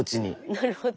なるほど。